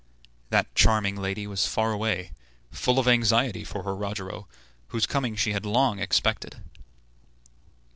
That charming lady was far away, full of anxiety for her Rogero, whose coming she had long expected.